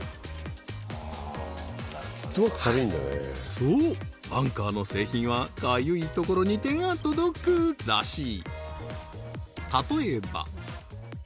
そうアンカーの製品はかゆいところに手が届くらしい